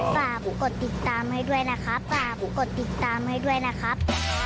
ฝากผู้กดติดตามให้ด้วยนะครับฝากผู้กดติดตามให้ด้วยนะครับ